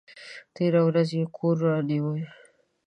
تېره ورځ یې کور رانیوی!